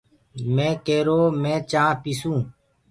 مي ڪيرو مي چآنٚه پيٚسونٚ